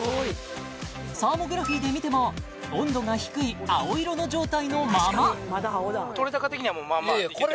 サーモグラフィーで見ても温度が低い青色の状態のままいやいや